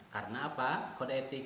karena apa kode etik